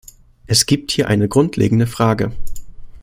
Es gibt hier eine grundlegende Frage.